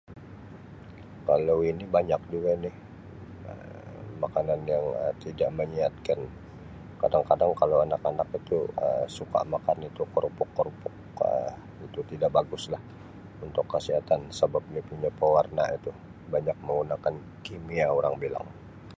Kalau ini banyak Um makanan yang Um tidak menyihatkan, kadang-kadang kalau anak-anak itu Um suka makan itu kerupuk-kerupuk Um itu tidak baguslah untuk kesihatanlah sabab dia punya pewarna itu banyak menggunakan kimia orang bilang.